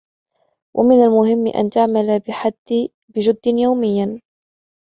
من المهم ان تعمل بحد يوميا